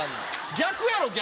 逆やろ逆！